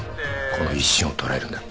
この一瞬を捉えるんだ。